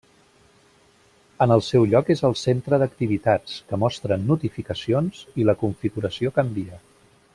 En el seu lloc és el Centre d'activitats, que mostra notificacions i la configuració canvia.